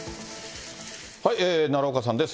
奈良岡さんです。